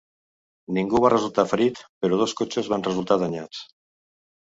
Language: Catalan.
Ningú va resultar ferit, però dos cotxes van resultar danyats.